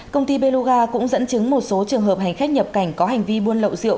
công ty beloga cũng dẫn chứng một số trường hợp hành khách nhập cảnh có hành vi buôn lậu rượu